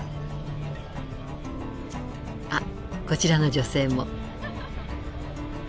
あっこちらの女性も。